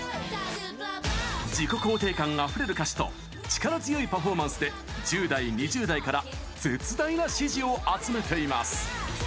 自己肯定感あふれる歌詞と力強いパフォーマンスで１０代、２０代から絶大な支持を集めています。